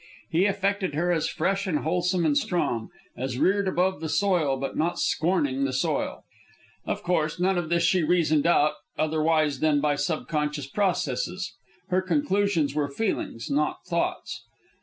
He affected her as fresh and wholesome and strong, as reared above the soil but not scorning the soil. Of course, none of this she reasoned out otherwise than by subconscious processes. Her conclusions were feelings, not thoughts.